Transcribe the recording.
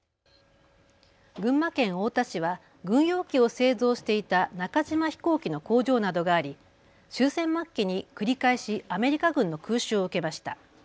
群馬県太田市は軍用機を製造していた中島飛行機の工場などがあり終戦末期に繰り返しアメリカ軍の空襲を受けました。